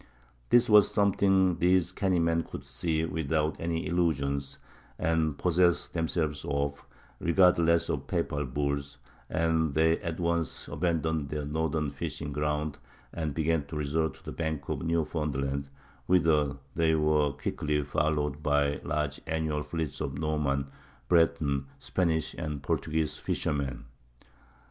This was something these canny men could see without any illusions, and possess themselves of regardless of papal bulls; and they at once abandoned their northern fishing grounds and began to resort to the Banks of Newfoundland, whither they were quickly followed by large annual fleets of Norman, Breton, Spanish, and Portuguese fishermen.